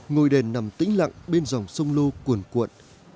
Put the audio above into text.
ngôi đền nằm tĩnh lặng bên dòng sông lô cuồn cuộn